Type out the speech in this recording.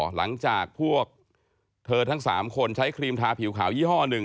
หลังจากพวกเธอทั้ง๓คนใช้ครีมทาผิวขาวยี่ห้อหนึ่ง